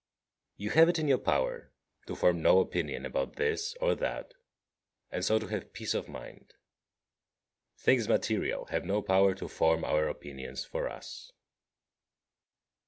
52. You have it in your power to form no opinion about this or that, and so to have peace of mind. Things material have no power to form our opinions for us.